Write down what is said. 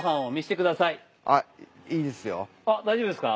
あっ大丈夫ですか？